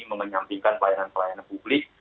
menyampingkan pelayanan pelayanan publik